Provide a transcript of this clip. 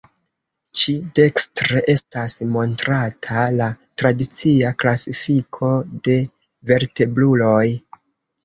Ĉi-dekstre estas montrata la tradicia klasifiko de vertebruloj.